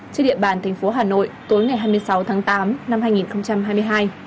trên địa bàn thành phố hà nội tối ngày hai mươi sáu tháng tám năm hai nghìn hai mươi hai